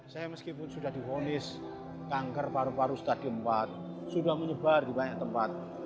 saya meskipun sudah difonis kanker paru paru stadium empat sudah menyebar di banyak tempat